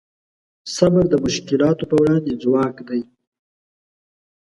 صبر د مشکلاتو په وړاندې ځواک دی.